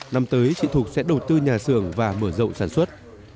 năm tới chị thục sẽ đầu tư nhà xưởng và mở rộng sản xuất